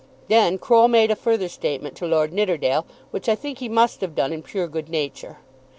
Then Croll made a further statement to Lord Nidderdale, which I think he must have done in pure good nature.